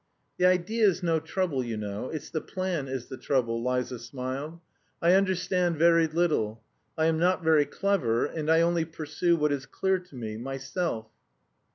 "The idea's no trouble, you know, it's the plan is the trouble," Liza smiled. "I understand very little. I am not very clever, and I only pursue what is clear to me, myself...."